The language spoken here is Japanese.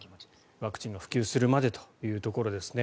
ワクチンが普及するまでというところですね。